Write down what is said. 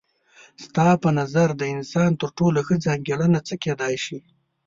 ستا په نظر د انسان تر ټولو ښه ځانګړنه څه کيدای شي؟